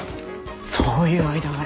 そういう間柄。